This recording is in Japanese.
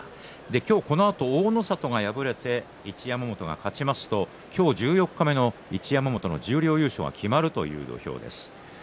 今日このあと大の里が敗れて一山本が勝ちますと今日十四日目の一山本の十両優勝が決まるということになります。